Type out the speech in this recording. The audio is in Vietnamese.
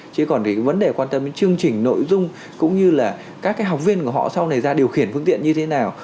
chứ còn cái vấn đề quan tâm đến chương trình nội dung cũng như là các cái học viên của họ sau này ra điều khiển phương tiện như thế nào